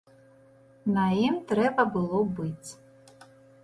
На ім трэба было быць.